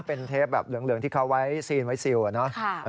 เป็นเทปแบบเหลืองที่เขาไว้ซีนไว้ซิลอะเนาะ